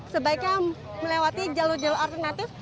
sebaiknya melewati jalur jalur alternatif